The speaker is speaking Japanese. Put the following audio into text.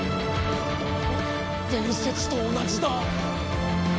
伝説と同じだ！